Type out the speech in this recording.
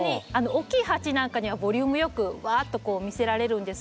おっきい鉢なんかにはボリュームよくわっと見せられるんですけれども。